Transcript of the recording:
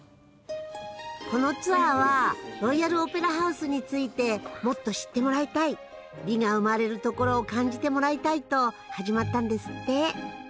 このツアーはロイヤル・オペラ・ハウスについてもっと知ってもらいたい美が生まれるところを感じてもらいたいと始まったんですって。